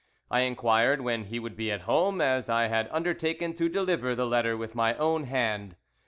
I inquired when he would be at home, as I had undertaken to deliver the letter with my own hand.